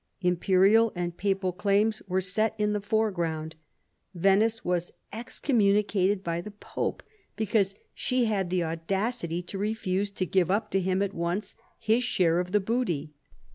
Imperial and papal claims were set in the foreground. Venice was excommunicated by the Pope, because she had the audacity to refuse to give up tb him at once his share of the booty.